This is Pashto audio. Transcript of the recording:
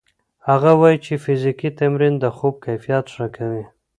هغه وايي چې فزیکي تمرین د خوب کیفیت ښه کوي.